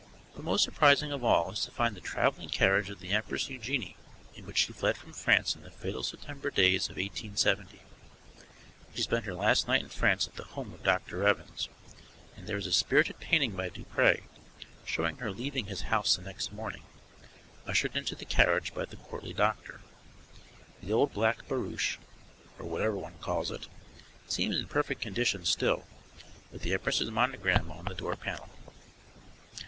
But most surprising of all is to find the travelling carriage of the Empress Eugenie in which she fled from France in the fatal September days of 1870. She spent her last night in France at the home of Doctor Evans, and there is a spirited painting by Dupray showing her leaving his house the next morning, ushered into the carriage by the courtly doctor. The old black barouche, or whatever one calls it, seems in perfect condition still, with the empress's monogram on the door panel.